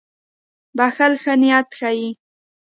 • بښل ښه نیت ښيي.